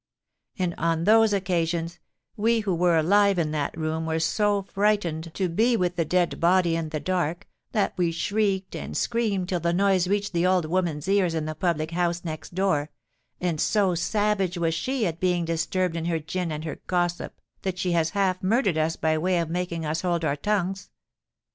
And, on those occasions, we who were alive in that room were so frightened to be with the dead body in the dark, that we shrieked and screamed till the noise reached the old woman's ears in the public house next door; and so savage was she at being disturbed in her gin and her gossip, that she has half murdered us by way of making us hold our tongues!